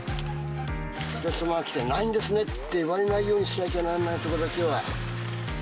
お客様が来て、ないんですねって言われないようにしなきゃならないところだけは。